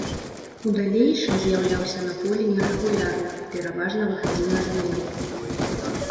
У далейшым з'яўляўся на полі нерэгулярна, пераважна выхадзіў на замену.